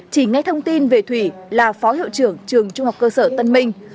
chỉ nghe thông tin về thủy là phó hiệu trưởng trường trung học cơ sở tân minh